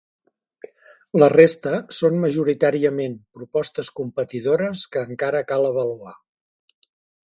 La resta són majoritàriament propostes competidores que encara cal avaluar.